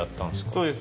そうです。